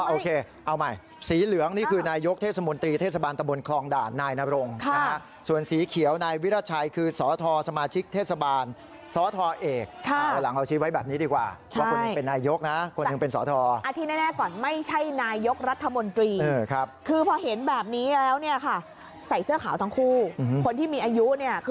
โอเคเอาใหม่สีเหลืองนี่คือนายกเทศมนตรีเทศบาลตะบนคลองด่านนายนรงนะฮะส่วนสีเขียวนายวิราชัยคือสทสมาชิกเทศบาลสทเอกหลังเราชี้ไว้แบบนี้ดีกว่าว่าคนหนึ่งเป็นนายกนะคนหนึ่งเป็นสอทรที่แน่ก่อนไม่ใช่นายกรัฐมนตรีคือพอเห็นแบบนี้แล้วเนี่ยค่ะใส่เสื้อขาวทั้งคู่คนที่มีอายุเนี่ยคือ